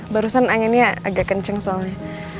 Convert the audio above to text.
barusan anginnya agak kencang soalnya